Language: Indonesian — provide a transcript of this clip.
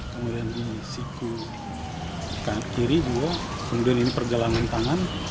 kemudian di siku kiri dua kemudian ini pergelangan tangan